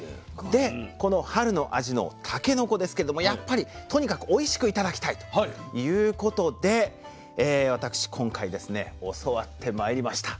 でこの春の味のたけのこですけれどもやっぱりとにかくおいしく頂きたいということで私今回教わってまいりました。